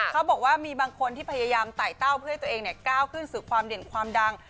เขาบอกว่ามีบางคนที่พยายามไต่เต้าเพื่อให้ตัวเองก้าวขึ้นสู่ความเด่นความดัง